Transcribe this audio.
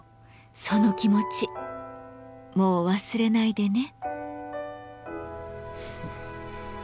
その気持ちもう忘れないでね。